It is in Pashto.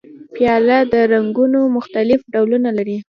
پیاله د رنګونو مختلف ډولونه لري.